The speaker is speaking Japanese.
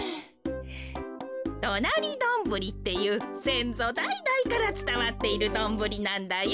どなりドンブリっていうせんぞだいだいからつたわっているドンブリなんだよ。